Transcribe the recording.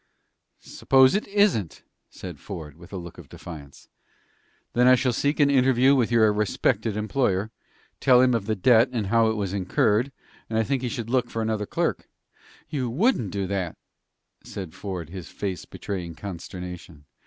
"Suppose it isn't?" said Ford, with a look of defiance. "Then I shall seek an interview with your respected employer, tell him of the debt, and how it was incurred, and I think he would look for another clerk." "You wouldn't do that!" said Ford, his face betraying consternation.